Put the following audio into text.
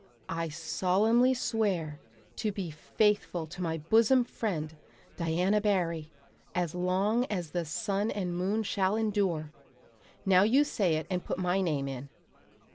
I solemnly swear to be faithful to my bosom friend, Diana Barry, as long as the sun and moon shall endure. Now you say it and put my name in."